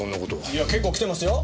いや結構来てますよ。